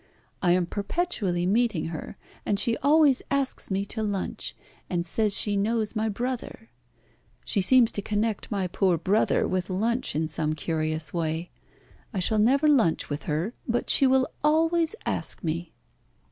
I am perpetually meeting her, and she always asks me to lunch, and says she knows my brother. She seems to connect my poor brother with lunch in some curious way. I shall never lunch with her, but she will always ask me."